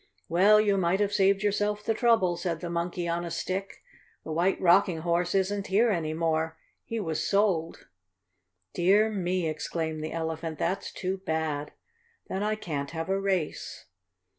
"Well, you might have saved yourself the trouble," said the Monkey on a Stick. "The White Rocking Horse isn't here any more. He was sold." "Dear me!" exclaimed the Elephant. "That's too bad! Then I can't have a race."